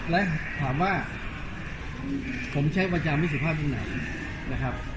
กำว่าผมใช้ประจำวิทยุภาพไหนนะครับ